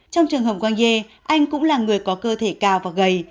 trong trường hợp wang ye anh cũng là người có cơ thể cao và gầy